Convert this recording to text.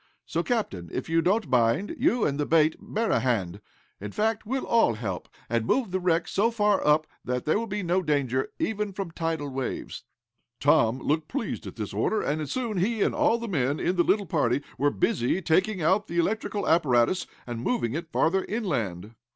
So, Captain, if you don't mind, you and the mate bear a hand. In fact, we'll all help, and move the wreck so far up that there will be no danger, even from tidal waves." Tom looked pleased at this order, and soon he and all the men in the little party were busy taking out the electrical apparatus, and moving it farther inland.